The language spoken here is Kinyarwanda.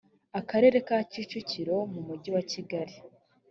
akarere ka kicukiro mu mujyi wa kigali